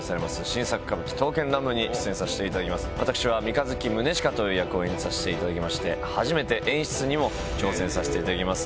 私は三日月宗近という役を演じさせていただきまして初めて演出にも挑戦させていただきます。